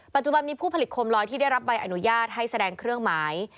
ปัจจุบันมีผู้ผลิตโคมลอยที่ได้รับใบอนุญาตให้แสดงเครื่องหมาย